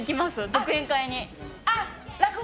独演会に。